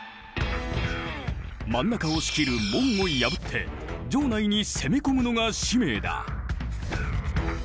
真ん中を仕切る「門」を破って城内に攻め込むのが使命だ。